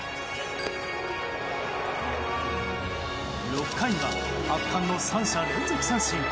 ６回には圧巻の三者連続三振。